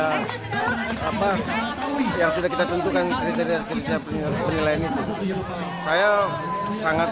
penyelamatan penilaian itu yang sudah kita tentukan terdekat penilaian itu yang sudah kita tentukan terdekat penilaian itu